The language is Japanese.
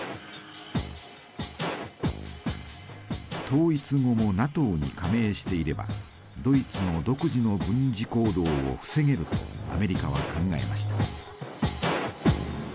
統一後もＮＡＴＯに加盟していればドイツの独自の軍事行動を防げるとアメリカは考えました。